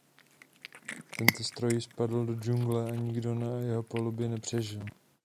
Tento stroj spadl do džungle a nikdo na jeho palubě nepřežil.